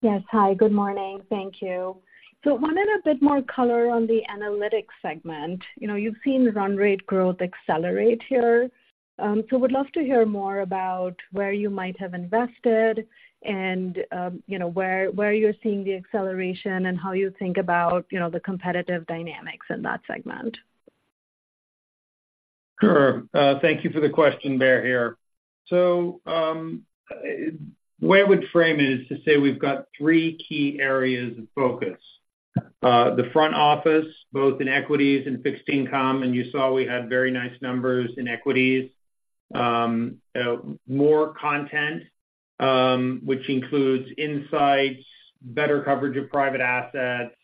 Yes. Hi, good morning. Thank you. So wanted a bit more color on the Analytics segment. You know, you've seen Run Rate growth accelerate here. So would love to hear more about where you might have invested and, you know, where you're seeing the acceleration and how you think about, you know, the competitive dynamics in that segment. Sure. Thank you for the question. Baer here. So, the way I would frame it is to say we've got three key areas of focus. The front office, both in equities and fixed income, and you saw we had very nice numbers in equities. More content, which includes insights, better coverage of private assets,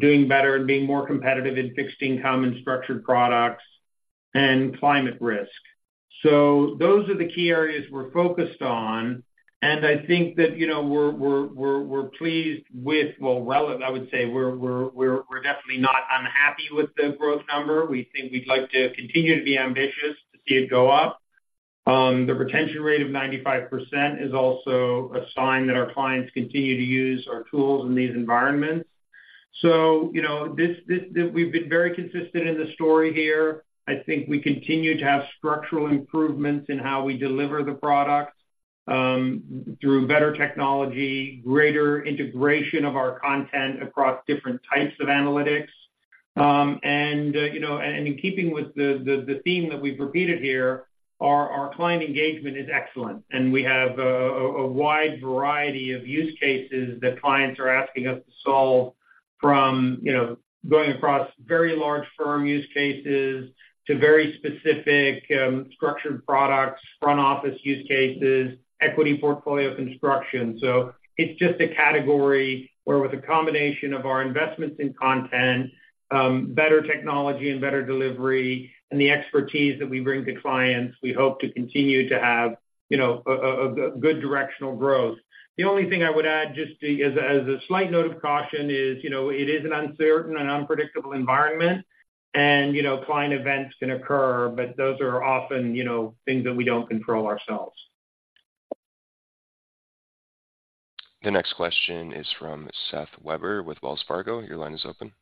doing better and being more competitive in fixed income and structured products, and Climate risk. So those are the key areas we're focused on, and I think that, you know, we're pleased with... Well, I would say we're definitely not unhappy with the growth number. We think we'd like to continue to be ambitious to see it go up. The Retention Rate of 95% is also a sign that our clients continue to use our tools in these environments. You know, we've been very consistent in the story here. I think we continue to have structural improvements in how we deliver the product, through better technology, greater integration of our content across different types of Analytics.... And, you know, and in keeping with the theme that we've repeated here, our client engagement is excellent, and we have a wide variety of use cases that clients are asking us to solve from, you know, going across very large firm use cases to very specific structured products, front office use cases, equity portfolio construction. So it's just a category where with a combination of our investments in content, better technology, and better delivery, and the expertise that we bring to clients, we hope to continue to have, you know, a good directional growth. The only thing I would add, just as a slight note of caution, is, you know, it is an uncertain and unpredictable environment, and, you know, client events can occur, but those are often, you know, things that we don't control ourselves. The next question is from Seth Weber with Wells Fargo. Your line is open.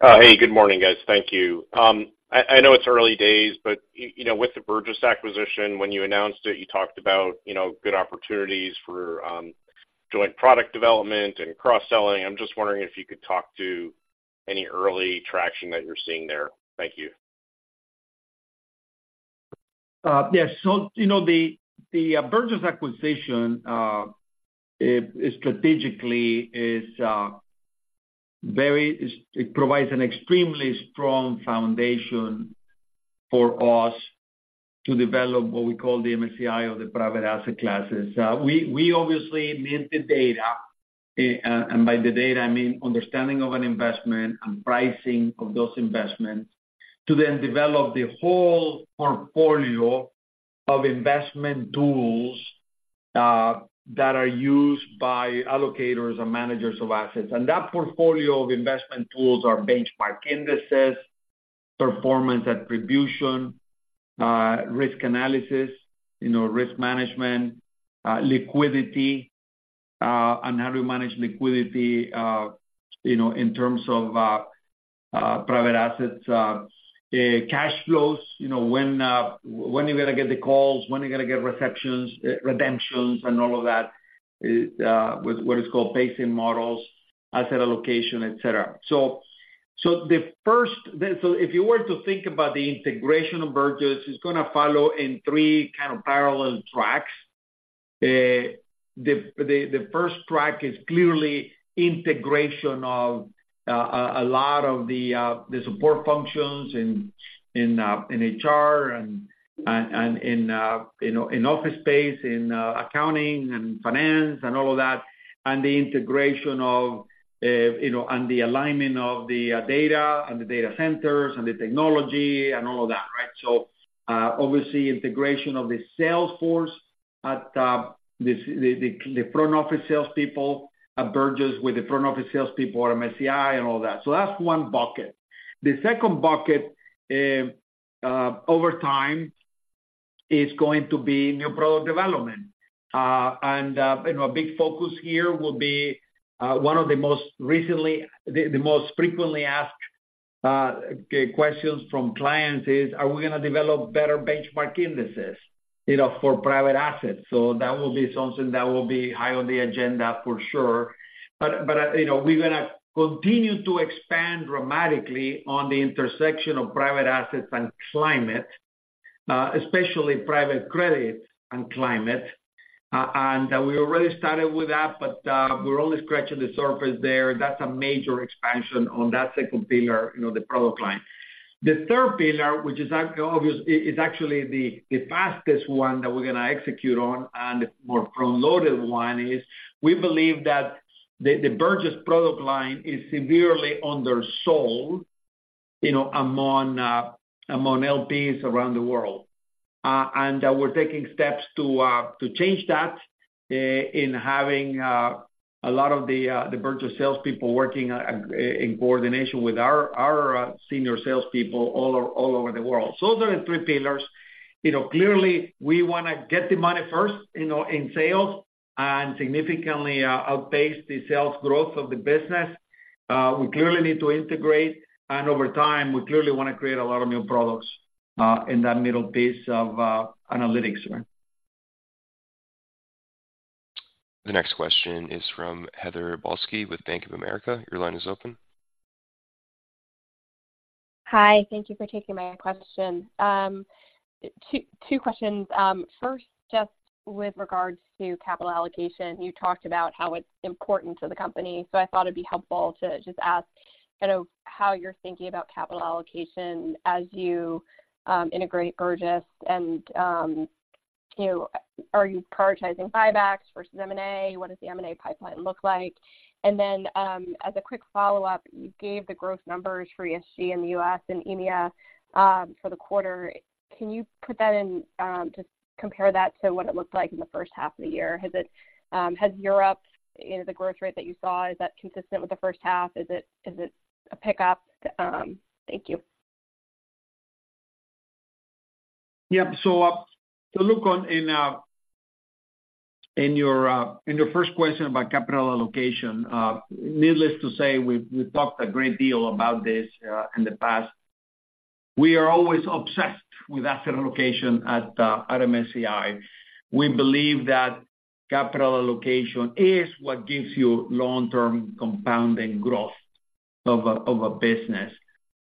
Hey, good morning, guys. Thank you. I know it's early days, but you know, with the Burgiss acquisition, when you announced it, you talked about, you know, good opportunities for joint product development and cross-selling. I'm just wondering if you could talk to any early traction that you're seeing there. Thank you. Yes. So, you know, the Burgiss acquisition, it strategically is very... It provides an extremely strong foundation for us to develop what we call the MSCI of the private asset classes. We obviously need the data, and by the data, I mean understanding of an investment and pricing of those investments, to then develop the whole portfolio of investment tools that are used by allocators and managers of assets. And that portfolio of investment tools are benchmark indices, performance attribution, risk analysis, you know, risk management, liquidity, and how to manage liquidity, you know, in terms of private assets. Cash flows, you know, when are you gonna get the calls? When are you gonna get receptions, redemptions, and all of that, with what is called pacing models, asset allocation, et cetera. So if you were to think about the integration of Burgiss, it's gonna follow in three kind of parallel tracks. The first track is clearly integration of a lot of the support functions in HR and in you know, in office space, in accounting and finance and all of that, and the integration of, you know, and the alignment of the data and the data centers and the technology and all of that, right? So obviously, integration of the sales force at the front office salespeople at Burgiss with the front office salespeople at MSCI and all that. So that's one bucket. The second bucket, over time, is going to be new product development. You know, a big focus here will be the most frequently asked questions from clients: Are we gonna develop better benchmark indices, you know, for private assets? So that will be something that will be high on the agenda for sure. But, you know, we're gonna continue to expand dramatically on the intersection of private assets and Climate, especially private credit and Climate. And we already started with that, but, we're only scratching the surface there. That's a major expansion on that second pillar, you know, the product line. The third pillar, which is—it's actually the fastest one that we're gonna execute on and more front-loaded one, is we believe that the Burgiss product line is severely undersold, you know, among LPs around the world. And we're taking steps to change that in having a lot of the Burgiss salespeople working in coordination with our senior salespeople all over the world. So those are the three pillars. You know, clearly, we want to get the money first, you know, in sales and significantly outpace the sales growth of the business. We clearly need to integrate, and over time, we clearly want to create a lot of new products in that middle piece of Analytics. The next question is from Heather Balsky with Bank of America. Your line is open. Hi, thank you for taking my question. Two, two questions. First, just with regards to capital allocation, you talked about how it's important to the company, so I thought it'd be helpful to just ask kind of how you're thinking about capital allocation as you integrate Burgiss, and you know, are you prioritizing buybacks versus M&A? What does the M&A pipeline look like? And then, as a quick follow-up, you gave the growth numbers for ESG in the U.S. and EMEA for the quarter. Can you put that in... Just compare that to what it looked like in the first half of the year. Has it, has Europe, you know, the growth rate that you saw, is that consistent with the first half? Is it a pickup? Thank you. Yeah. So, in your first question about capital allocation, needless to say, we've talked a great deal about this in the past. We are always obsessed with asset allocation at MSCI. We believe that capital allocation is what gives you long-term compounding growth of a business.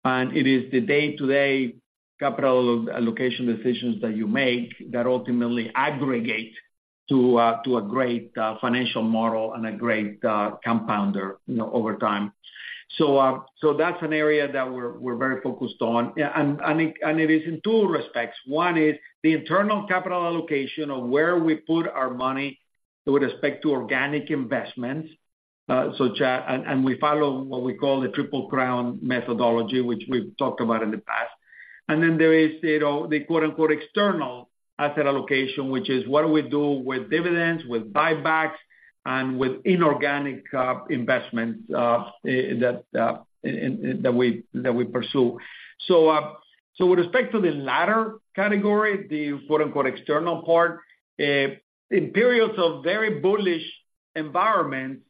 And it is the day-to-day capital allocation decisions that you make that ultimately aggregate to a great financial model and a great compounder, you know, over time. So, that's an area that we're very focused on. Yeah, and it is in two respects. One is the internal capital allocation of where we put our money with respect to organic investments. So and we follow what we call the Triple Crown methodology, which we've talked about in the past. And then there is, you know, the quote-unquote, "external asset allocation," which is what do we do with dividends, with buybacks, and with inorganic investments that we pursue. So with respect to the latter category, the quote-unquote, "external part," in periods of very bullish environment,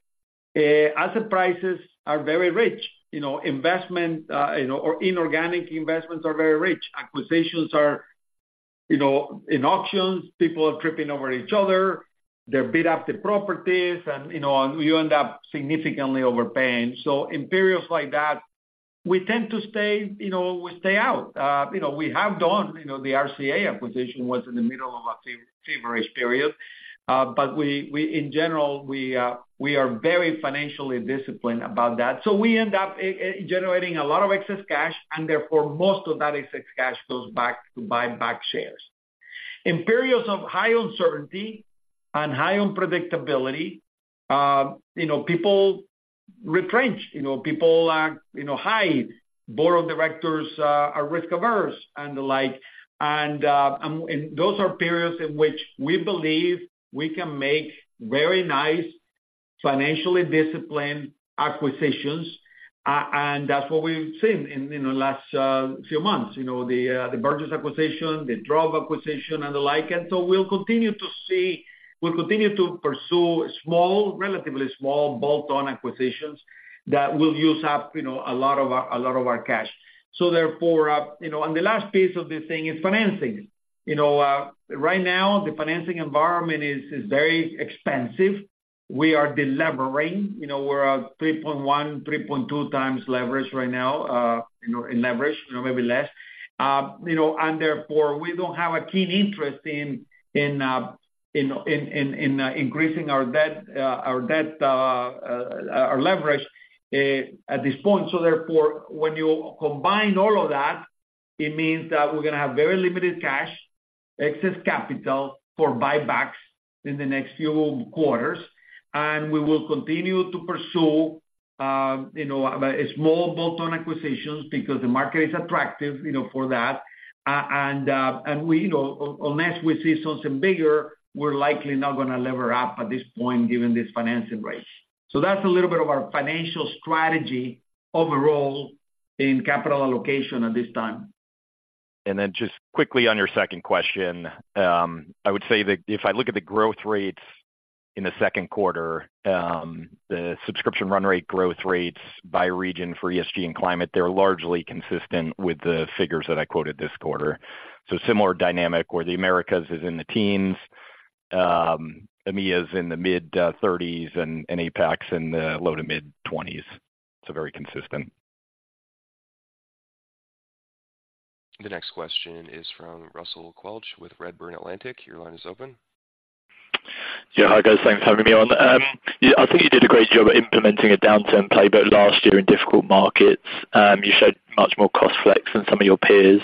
asset prices are very rich, you know, or inorganic investments are very rich. Acquisitions are, you know, in auctions, people are tripping over each other, they bid up the properties and, you know, and you end up significantly overpaying. So in periods like that, we tend to stay, you know, we stay out. You know, we have done, you know, the RCA acquisition was in the middle of a feverish period, but we in general are very financially disciplined about that. So we end up generating a lot of excess cash, and therefore, most of that excess cash goes back to buy back shares. In periods of high uncertainty and high unpredictability, you know, people retrench, you know, people are, you know, hide. Board of directors are risk-averse and the like. And those are periods in which we believe we can make very nice, financially disciplined acquisitions. And that's what we've seen in the last few months, you know, the Burgiss acquisition, the Trove acquisition and the like. We'll continue to pursue small, relatively small, bolt-on acquisitions that will use up, you know, a lot of our, a lot of our cash. So therefore, you know... And the last piece of this thing is financing. You know, right now, the financing environment is very expensive. We are delevering. You know, we're 3.1x—3.2x leverage right now, you know, maybe less. You know, and therefore, we don't have a keen interest in increasing our debt, our leverage at this point. So therefore, when you combine all of that, it means that we're gonna have very limited cash, excess capital for buybacks in the next few quarters, and we will continue to pursue, you know, a small bolt-on acquisitions because the market is attractive, you know, for that. And we, you know, unless we see something bigger, we're likely not gonna lever up at this point, given these financing rates. So that's a little bit of our financial strategy overall in capital allocation at this time. Then just quickly on your second question, I would say that if I look at the growth rates in the subscription Run Rate growth rates by region for ESG and Climate, they're largely consistent with the figures that I quoted this quarter. Similar dynamic, where the Americas is in the teens, EMEA is in the mid-thirties and, and APAC is in the low to mid-twenties. Very consistent. The next question is from Russell Quelch with Redburn Atlantic. Your line is open. Yeah, hi, guys. Thanks for having me on. Yeah, I think you did a great job at implementing a downturn playbook last year in difficult markets. You showed much more cost flex than some of your peers.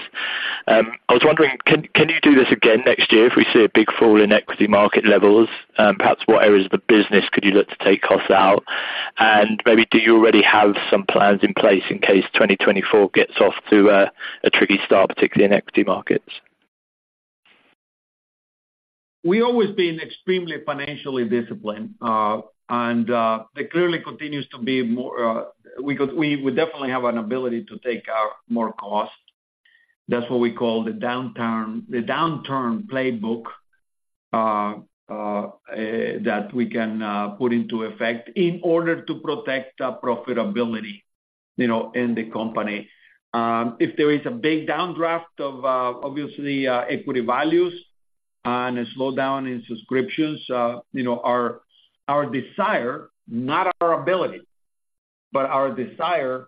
I was wondering, can you do this again next year if we see a big fall in equity market levels? Perhaps what areas of the business could you look to take costs out? And maybe, do you already have some plans in place in case 2024 gets off to a tricky start, particularly in equity markets? We've always been extremely financially disciplined, and it clearly continues to be more. We definitely have an ability to take out more cost. That's what we call the downturn, the downturn playbook, that we can put into effect in order to protect the profitability, you know, in the company. If there is a big downdraft of obviously equity values and a slowdown in subscriptions, you know, our desire, not our ability, but our desire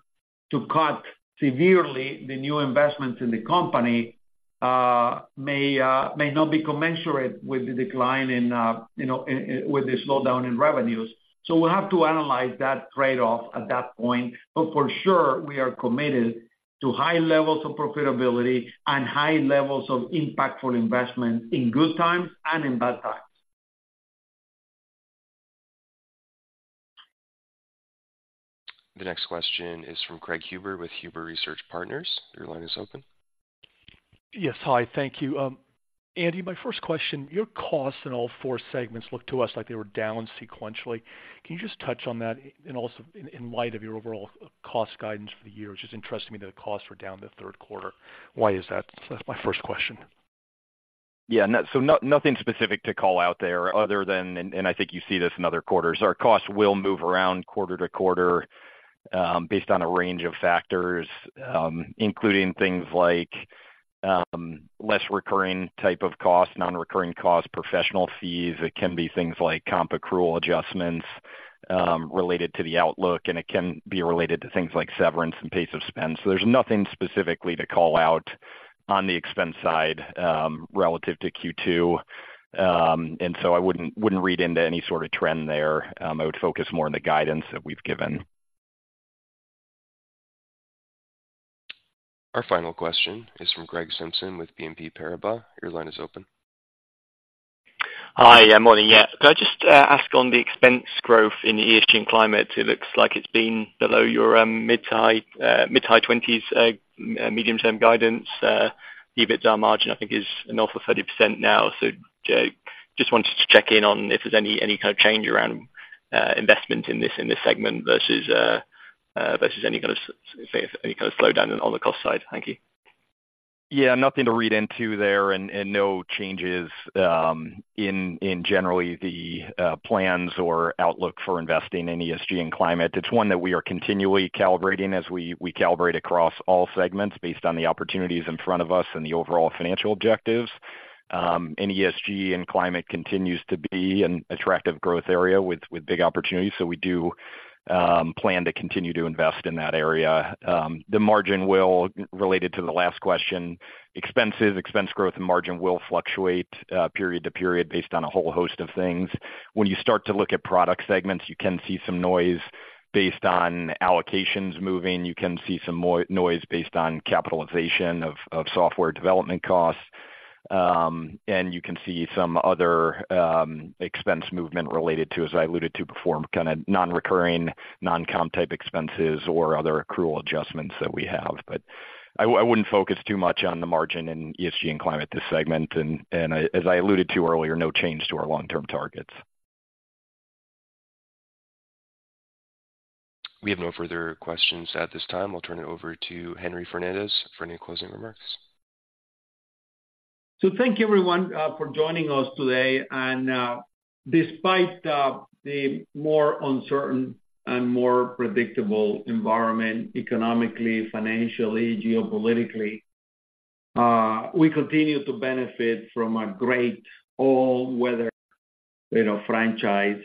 to cut severely the new investments in the company, may not be commensurate with the decline in, you know, with the slowdown in revenues. We'll have to analyze that trade-off at that point, but for sure, we are committed to high levels of profitability and high levels of impactful investment in good times and in bad times. The next question is from Craig Huber with Huber Research Partners. Your line is open. Yes. Hi, thank you. Andy, my first question, your costs in all four segments looked to us like they were down sequentially. Can you just touch on that? And also in light of your overall cost guidance for the year, which is interesting to me, that the costs were down the third quarter. Why is that? So that's my first question.... Yeah, no, so nothing specific to call out there other than, and I think you see this in other quarters, our costs will move around quarter to quarter, based on a range of factors, including things like, less recurring type of costs, non-recurring costs, professional fees. It can be things like comp accrual adjustments, related to the outlook, and it can be related to things like severance and pace of spend. So there's nothing specifically to call out on the expense side, relative to Q2. And so I wouldn't read into any sort of trend there. I would focus more on the guidance that we've given. Our final question is from Greg Simpson with BNP Paribas. Your line is open. Hi. Yeah, morning. Yeah. Could I just ask on the expense growth in the ESG and Climate? It looks like it's been below your mid-high twenties medium-term guidance. EBITDA margin, I think, is north of 30% now. So, just wanted to check in on if there's any kind of change around investment in this segment versus any kind of slowdown on the cost side. Thank you. Yeah, nothing to read into there, and no changes in general the plans or outlook for investing in ESG and Climate. It's one that we are continually calibrating as we calibrate across all segments based on the opportunities in front of us and the overall financial objectives. And ESG and Climate continues to be an attractive growth area with big opportunities, so we do plan to continue to invest in that area. The margin will, related to the last question, expenses, expense growth and margin will fluctuate period to period based on a whole host of things. When you start to look at product segments, you can see some noise based on allocations moving. You can see some noise based on capitalization of software development costs. And you can see some other expense movement related to, as I alluded to before, kind of non-recurring, non-comp type expenses or other accrual adjustments that we have. But I wouldn't focus too much on the margin in ESG and Climate, this segment. And as I alluded to earlier, no change to our long-term targets. We have no further questions at this time. I'll turn it over to Henry Fernandez for any closing remarks. So thank you, everyone, for joining us today. Despite the more uncertain and more unpredictable environment economically, financially, geopolitically, we continue to benefit from a great all-weather, you know, franchise.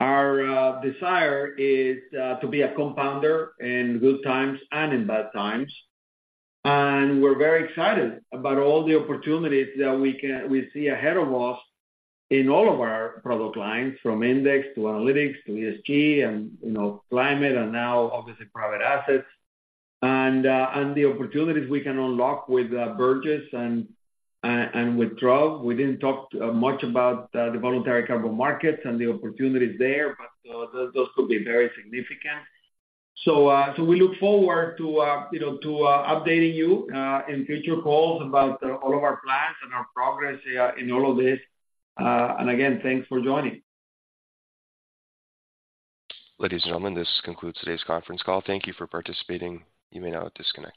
Our desire is to be a compounder in good times and in bad times, and we're very excited about all the opportunities that we can—we see ahead of us in all of our product lines, from Index to Analytics to ESG and, you know, Climate and now, obviously, private assets. And the opportunities we can unlock with Burgiss and with Trove. We didn't talk much about the voluntary carbon markets and the opportunities there, but those could be very significant. So, we look forward to, you know, updating you in future calls about all of our plans and our progress in all of this. And again, thanks for joining. Ladies and gentlemen, this concludes today's conference call. Thank you for participating. You may now disconnect.